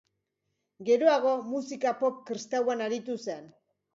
Geroago musika pop kristauan aritu zen.